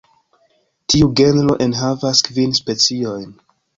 Tiu genro enhavas kvin speciojn.